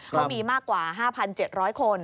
เขามีมากกว่า๕๗๐๐คน